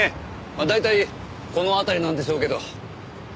大体この辺りなんでしょうけど。